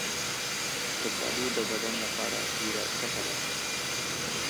کچالو د بدن لپاره ډېره ګټه لري.